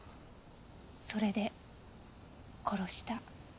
それで殺した。